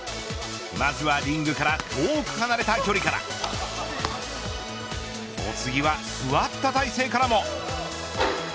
まずはリングから遠く離れた距離からお次は、座った体勢からも。